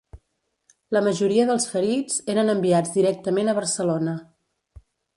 La majoria dels ferits eren enviats directament a Barcelona